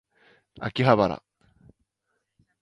秋葉原